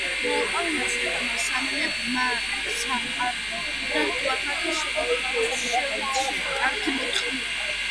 მოაყვანინა სულთანმა სამივე: ბრმა, საპყარი და გლახაკი, წინ დაისვა და ღვინო ასვა.